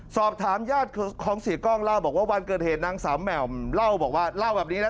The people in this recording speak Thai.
สอบถามญาติของเสียกล้องเล่าว่าวันเกิดเหตุนางสาวแหม่มเล่าแบบนี้นะ